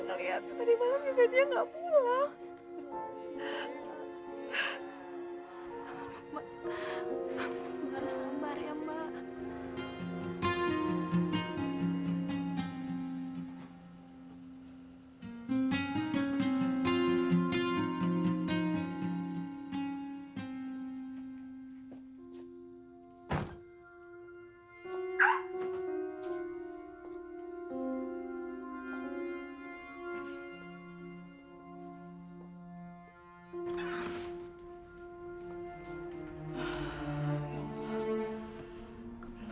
saya ini dapat renovasi mesin